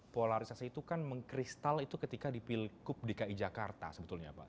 polarisasi itu kan mengkristal itu ketika dipilgup di ki jakarta sebetulnya pak